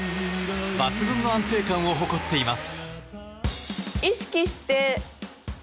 抜群の安定感を誇っています。